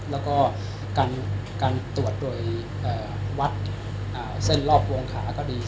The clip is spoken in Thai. แล้วก็การตรวจโดยวัดเส้นรอบวงขาก็ดี